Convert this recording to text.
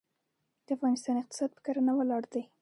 د افغانستان اقتصاد په کرنه ولاړ دی.